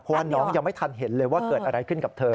เพราะว่าน้องยังไม่ทันเห็นเลยว่าเกิดอะไรขึ้นกับเธอ